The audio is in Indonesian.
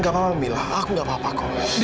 mama mila aku nyusul pak dil